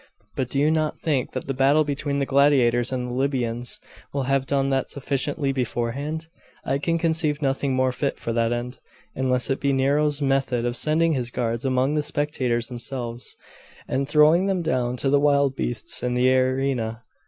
But do you not think that the battle between the gladiators and the Libyans will have done that sufficiently beforehand? I can conceive nothing more fit for that end, unless it be Nero's method of sending his guards among the spectators themselves, and throwing them down to the wild beasts in the arena.